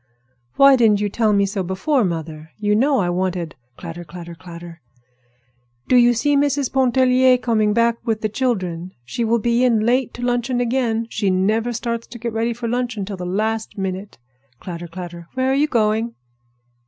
"Why didn't you tell me so before, mother? You know I wanted—" Clatter, clatter, clatter! "Do you see Mrs. Pontellier starting back with the children? She will be in late to luncheon again. She never starts to get ready for luncheon till the last minute." Clatter, clatter! "Where are you going?"